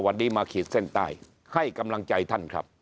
วันนี้มาขีดเส้นใต้ให้กำลังใจท่านครับ